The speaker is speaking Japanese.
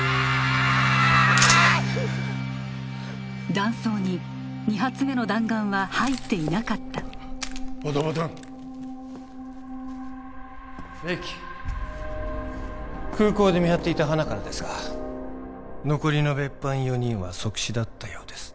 弾倉に２発目の弾丸は入っていなかったベキ空港で見張っていたハナからですが残りの別班４人は即死だったようです